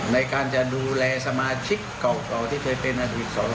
ในการจะดูแลสมาชิกเก่าที่เคยเป็นอดีตสอ